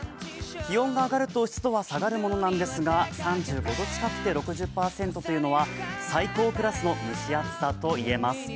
気温が上がると、湿度は下がるものなんですが、３５度近くで６０％というのは最高クラスの蒸し暑さと言えます。